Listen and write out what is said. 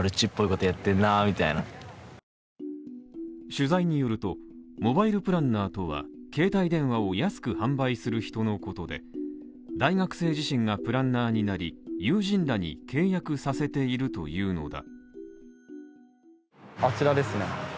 取材によると、モバイルプランナーとは携帯電話を安く販売する人のことで、大学生自身がプランナーになり、友人らに契約させているというのだ。